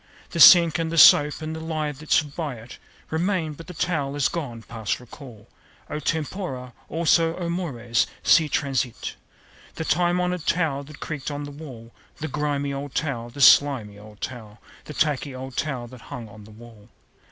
The sink and the soap and the lye that stood by it Remain; but the towel is gone past recall. O tempora! Also, O mores! Sic transit The time honored towel that creaked on the wall. The grimy old towel, the slimy old towel, The tacky old towel that hung on the wall.